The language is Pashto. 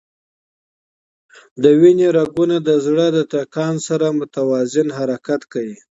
د وینې رګونه د زړه د ټکان سره متوازن حرکت کوي.